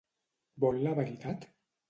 Vol la veritat?